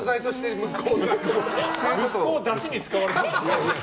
息子をだしに使われてる。